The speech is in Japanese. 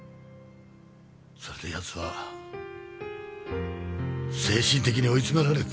それで奴は精神的に追い詰められて。